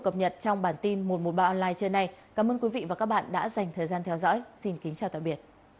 cảm ơn các bạn đã theo dõi và hẹn gặp lại